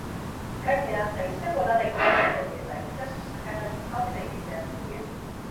Gainera, haize bolada indartsuei eta itsaso zakarrari aurre egin beharko diete.